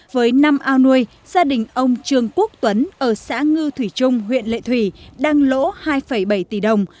với năm ao nuôi gia đình ông trương quốc tuấn ở xã ngư thủy trung huyện lệ thủy đang lỗ hai bảy tỷ đồng